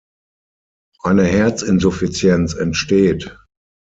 Eine Herzinsuffizienz entsteht.